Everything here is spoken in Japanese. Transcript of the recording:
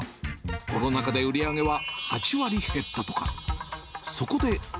コロナ禍で売り上げは８割減ったとか。